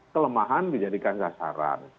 kelemahan dijadikan kasaran